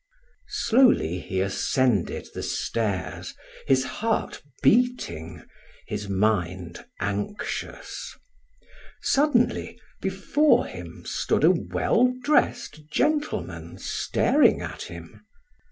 Slowly he ascended the stairs, his heart beating, his mind anxious. Suddenly before him stood a well dressed gentleman staring at him.